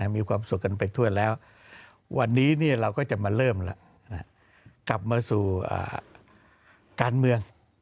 มีความสุขกันไปทั่วแล้ววันนี้เราก็จะมาเริ่มแล้วกลับมาสู่การเมือง